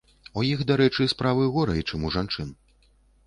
У іх, дарэчы, справы горай, чым у жанчын.